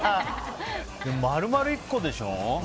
丸々１個でしょ。